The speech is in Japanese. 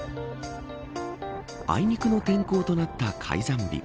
あいにくの天候となった開山日。